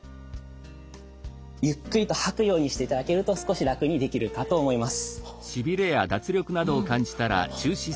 ゆっくりと吐くようにしていただけると少し楽にできるかと思います。